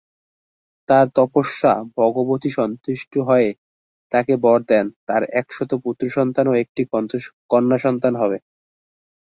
তার তপস্যা ভগবতী সন্তুষ্ট হয়ে তাকে বর দেন- তার একশত পুত্র সন্তান ও একটি কন্যা সন্তান হবে।